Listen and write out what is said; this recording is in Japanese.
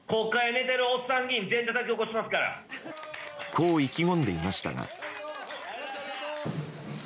こう意気込んでいましたが。